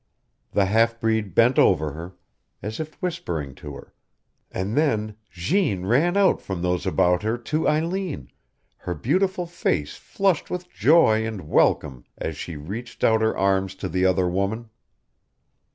The half breed bent over her, as if whispering to her, and then Jeanne ran out from those about her to Eileen, her beautiful face flushed with joy and welcome as she reached out her arms to the other woman.